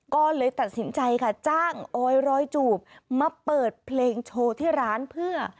ก็เลยตัดสินใจค่ะจ้างออยรอยจูบมาเปิดเพลงโชว์ที่ร้านเพื่อ